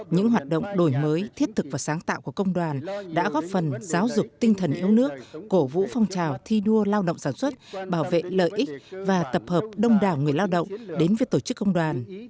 những hoạt động đổi mới thiết thực và sáng tạo của công đoàn đã góp phần giáo dục tinh thần yêu nước cổ vũ phong trào thi đua lao động sản xuất bảo vệ lợi ích và tập hợp đông đảo người lao động đến với tổ chức công đoàn